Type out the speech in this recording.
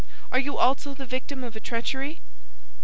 Are you also the victim of a treachery?"